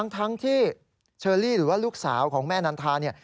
ทั้งที่เชอรี่หรือว่าลูกสาวของแม่น้ำทา